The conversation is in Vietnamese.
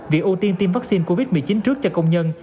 việc ưu tiên tiêm vaccine covid một mươi chín trước cho công nhân